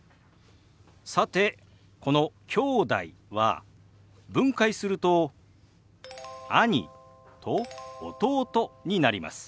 さてこの「きょうだい」は分解すると「兄」と「弟」になります。